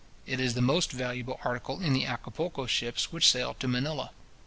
It is the most valuable article in the Acapulco ships which sail to Manilla.